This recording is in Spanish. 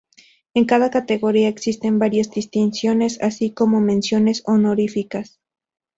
En cada categoría existen varias distinciones, así como menciones honoríficas.